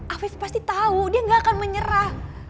afif pasti tau dia gak akan menyerah